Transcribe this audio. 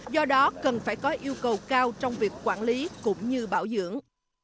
do đó cần phải có yêu cầu cao trong việc quản lý cũng như bảo dưỡng